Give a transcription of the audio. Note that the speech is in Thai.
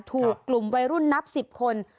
ถูกกลุ่มวัยรุ่นนับ๑๐คน